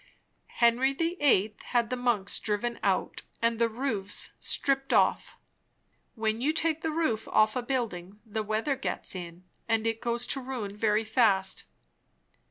"Henry the Eighth had the monks driven out and the roofs stripped off. When you take the roof off a building, the weather gets in, and it goes to ruin very fast."